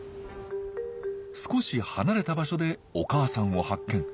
少し離れた場所でお母さんを発見。